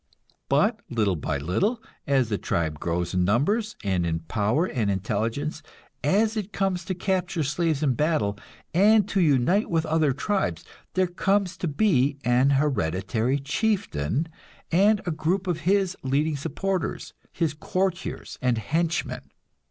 But little by little, as the tribe grows in numbers, and in power and intelligence, as it comes to capture slaves in battle, and to unite with other tribes, there comes to be an hereditary chieftain and a group of his leading supporters, his courtiers and henchmen.